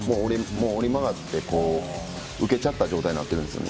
折れ曲がって受けちゃった状態になってるんですね。